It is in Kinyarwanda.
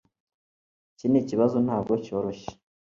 iki kibazo ntabwo cyoroshye